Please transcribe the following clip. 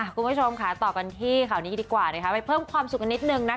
คุณผู้ชมค่ะต่อกันที่ข่าวนี้ดีกว่านะคะไปเพิ่มความสุขกันนิดนึงนะคะ